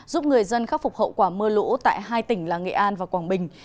giúp người dân khắc phục hậu quả mưa lũ tại hai tỉnh là nghệ an và quảng bình